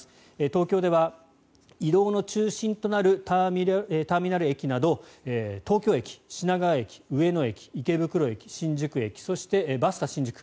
東京では移動の中心となるターミナル駅など東京駅、品川駅、上野駅池袋駅、新宿駅そして、バスタ新宿